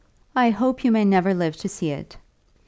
"I hope you may never live to see it.